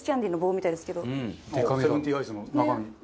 セブンティーンアイスの中身。